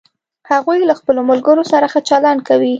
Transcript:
هغوی له خپلوملګرو سره ښه چلند کوي